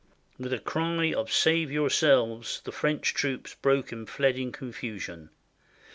With a cry of "Save yourselves," the French troops broke and fled in confusion.